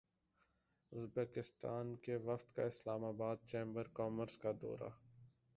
Uzbekistan کے وفد کا اسلام باد چیمبر کامرس کا دورہ